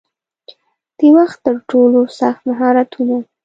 د وخت ترټولو سخت مهارتونه